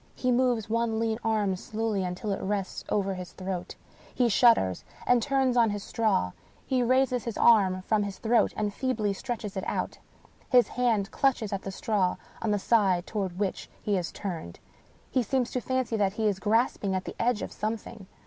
He moves one lean arm slowly until it rests over his throat ; he shudders, and turns on his straw ; he raises his arm from his throat, and feebly stretches it out ; his hand clutches at the straw on the side toward which he has turned; he seems to fancy that he is grasping at the edge of something.